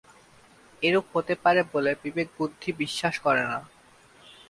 এরূপ হতে পারে বলে বিবেক-বুদ্ধি বিশ্বাস করে না।